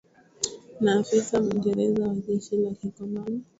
na afisa Mwingereza wa jeshi la kikoloni